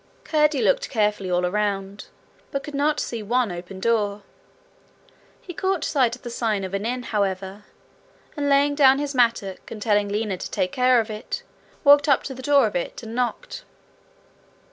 Curdie looked carefully all round, but could not see one open door. He caught sight of the sign of an inn, however, and laying down his mattock, and telling Lina to take care of it, walked up to the door of it and knocked.